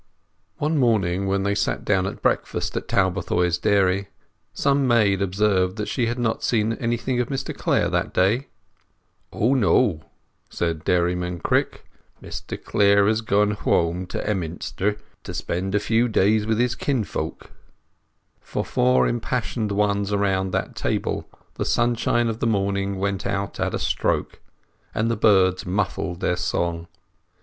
One morning when they sat down to breakfast at Talbothays Dairy some maid observed that she had not seen anything of Mr Clare that day. "O no," said Dairyman Crick. "Mr Clare has gone hwome to Emminster to spend a few days wi' his kinsfolk." For four impassioned ones around that table the sunshine of the morning went out at a stroke, and the birds muffled their song.